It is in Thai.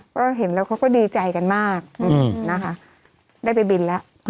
ก็เห็นแล้วเขาก็ดีใจกันมากนะคะได้ไปบินแล้ว